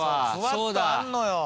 そうだ。